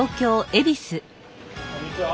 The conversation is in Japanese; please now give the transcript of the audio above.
こんにちは。